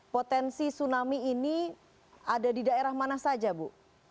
potensi tsunami ini ada di daerah mana saja bu